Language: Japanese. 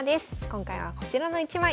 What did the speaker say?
今回はこちらの一枚。